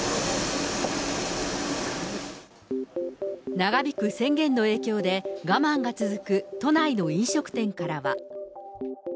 長引く宣言の影響で、我慢が続く都内の飲食店からは。